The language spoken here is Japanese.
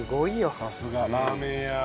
さすがラーメン屋。